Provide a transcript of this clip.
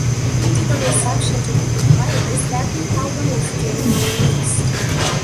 Critical reception to Biffy Clyro's debut album was generally mixed.